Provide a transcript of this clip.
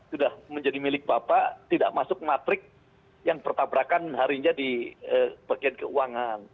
sudah menjadi milik bapak tidak masuk matrik yang bertabrakan harinya di bagian keuangan